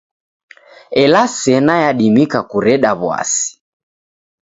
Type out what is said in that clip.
Ela sena yadimika kureda w'asi.